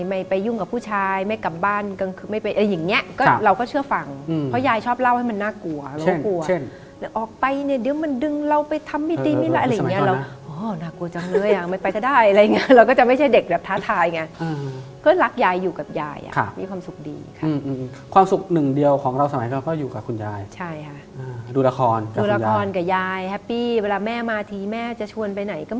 ไม่ไปยุ่งกับผู้ชายไม่กลับบ้านไม่ไปอย่างเงี้ยเราก็เชื่อฟังเพราะยายชอบเล่าให้มันน่ากลัวแล้วออกไปเนี่ยเดี๋ยวมันดึงเราไปทำไม่ดีไม่ร้ายอะไรอย่างเงี้ยน่ากลัวจังเลยอ่ะไม่ไปถ้าได้อะไรอย่างเงี้ยเราก็จะไม่ใช่เด็กแบบท้าทายอย่างเงี้ยเพราะรักยายอยู่กับยายอ่ะมีความสุขดีค่ะความสุขหนึ่งเดียวของเราสมัยก่อนก็